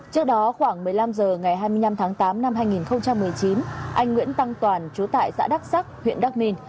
trước đó khoảng một mươi năm h ngày hai mươi năm tháng tám năm hai nghìn một mươi chín anh nguyễn tăng toàn chú tại xã đắc sắc huyện đắc minh